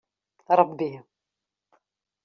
Ṛebbi.